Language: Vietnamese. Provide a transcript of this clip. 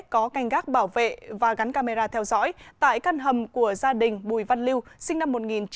có canh gác bảo vệ và gắn camera theo dõi tại căn hầm của gia đình bùi văn lưu sinh năm một nghìn chín trăm tám mươi